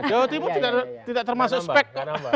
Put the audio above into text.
jawa timur tidak termasuk spek